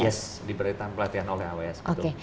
yes diberikan pelatihan oleh aws gitu